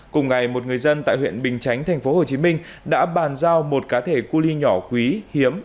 cùng ngày một người dân tại huyện bình chánh tp hcm đã bàn giao một cá thể cu ly nhỏ quý hiếm